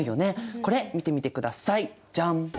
これ見てみてくださいジャン！